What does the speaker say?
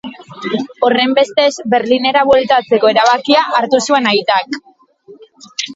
Horrenbestez, Berlinera bueltatzeko erabakia hartu zuen aitak.